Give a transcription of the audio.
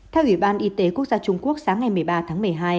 theo ủy ban y tế quốc gia trung quốc sáng ngày một mươi ba tháng một mươi hai